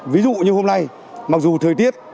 ví dụ như hôm nay mặc dù thời tiết